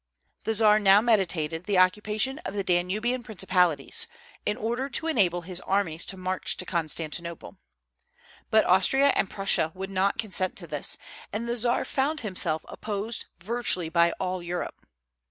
The Czar now meditated the occupation of the Danubian principalities, in order to enable his armies to march to Constantinople. But Austria and Prussia would not consent to this, and the Czar found himself opposed virtually by all Europe.